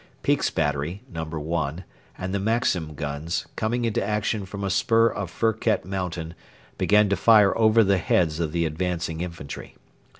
Peake's battery (No. 1) and the Maxim guns, coming into action from a spur of Firket mountain, began to fire over the heads of the advancing infantry.